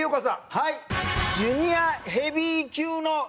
はい。